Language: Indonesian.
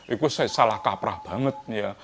itu saya salah kaprah banget ya